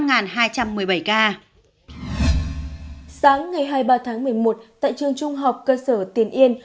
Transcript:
sáng ngày hai mươi ba tháng một mươi một tại trường trung học cơ sở tiền yên